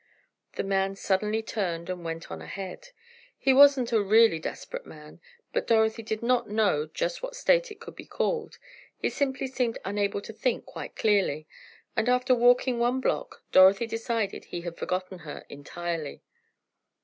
The man suddenly turned and went on ahead. He wasn't a really desperate man, but Dorothy did not know just what state it could be called, he simply seemed unable to think quite clearly, and after walking one block, Dorothy decided he had forgotten her entirely.